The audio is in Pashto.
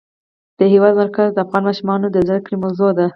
د هېواد مرکز د افغان ماشومانو د زده کړې موضوع ده.